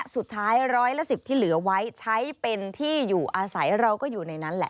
ร้อยละ๑๐ที่เหลือไว้ใช้เป็นที่อยู่อาศัยเราก็อยู่ในนั้นแหละ